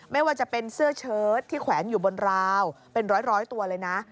ไม่ว่าจะเป็นเสื้อเชิดที่แขวนอยู่บนราวเป็นร้อยตัวเลยนะ